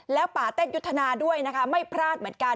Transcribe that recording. แล้วป่าเต้นยุทธนาด้วยนะคะไม่พลาดเหมือนกัน